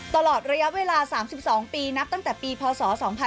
ตลอดระยะเวลา๓๒ปีนับตั้งแต่ปีพศ๒๕๕๘